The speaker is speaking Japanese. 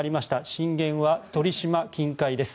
震源は鳥島近海です。